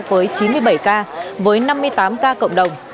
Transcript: với chín mươi bảy ca với năm mươi tám ca cộng đồng